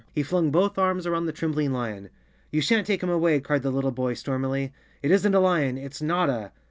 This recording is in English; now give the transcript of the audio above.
He flung both arms around the trembling lion. "You shan't take him away," cried the little boy stormily. "It isn't a lion. It's Notta!"